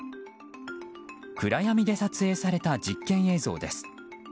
暗闇で撮影された実験映像です。